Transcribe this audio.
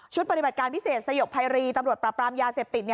ปฏิบัติการพิเศษสยบภัยรีตำรวจปราบปรามยาเสพติด